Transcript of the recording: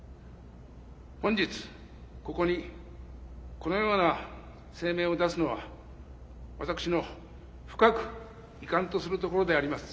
「本日ここにこのような声明を出すのは私の深く遺憾とするところであります」。